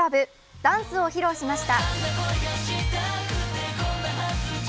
ダンスを披露しました。